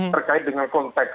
terkait dengan konteks